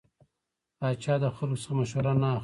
پاچا د خلکو څخه مشوره نه اخلي .